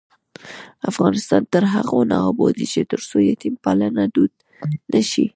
افغانستان تر هغو نه ابادیږي، ترڅو یتیم پالنه دود نشي.